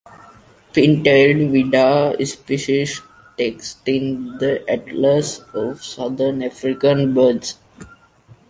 Pin-tailed whydah - Species text in The Atlas of Southern African Birds.